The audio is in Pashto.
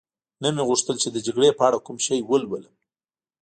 نه مې غوښتل چي د جګړې په اړه کوم شی ولولم.